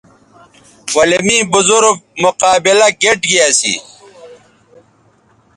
ولے می بزرگ مقابلہ گیئٹ گی اسی